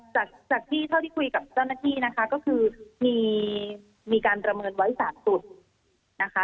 จากที่เท่าที่คุยกับเจ้าหน้าที่นะคะก็คือมีการประเมินไว้๓จุดนะคะ